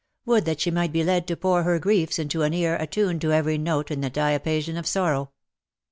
" Would that she might be led to pour her griefs into an ear attuned to every note in the diapason of sorrow.